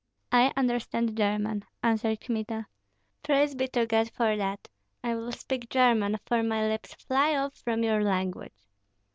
"I understand German," answered Kmita. "Praise be to God for that! I will speak German, for my lips fly off from your language."